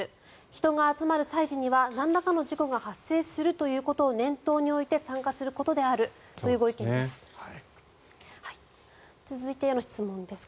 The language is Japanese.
人が集まる催事にはなんらかの事故が発生するということを念頭に置いて参加することであるというご意見です。